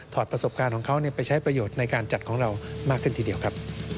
ประสบการณ์ของเขาไปใช้ประโยชน์ในการจัดของเรามากขึ้นทีเดียวครับ